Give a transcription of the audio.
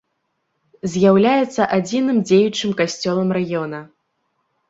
З'яўляецца адзіным дзеючым касцёлам раёна.